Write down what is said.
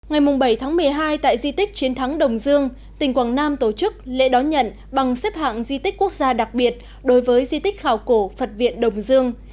ngày bảy tháng một mươi hai tại di tích chiến thắng đồng dương tỉnh quảng nam tổ chức lễ đón nhận bằng xếp hạng di tích quốc gia đặc biệt đối với di tích khảo cổ phật viện đồng dương